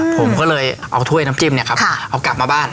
ผมก็เลยเอาถ้วยน้ำจิ้มเนี่ยครับเอากลับมาบ้าน